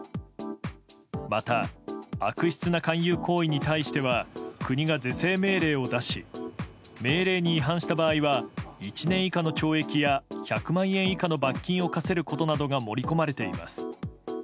また悪質な勧誘行為に対しては国が是正命令を出し命令に違反した場合は１年以下の懲役や１００万円以下の罰金を科せることなどが盛り込まれています。